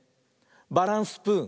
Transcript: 「バランスプーン」！